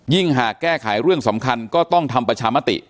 หากแก้ไขเรื่องสำคัญก็ต้องทำประชามติ